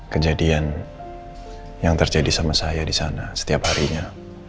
kejadian yang terjadi sama saya di sana setiap harinya